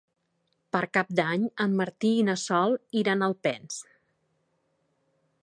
Per Cap d'Any en Martí i na Sol iran a Alpens.